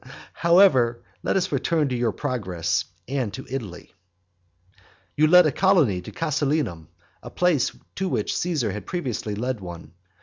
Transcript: However, let us return to your progress, and to Italy. XL. You led a colony to Casilinum, a place to which Caesar had previously led one.